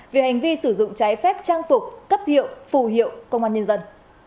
vì hành vi sử dụng trái phép trang phục cấp hiệu phù hiệu công an nhân dân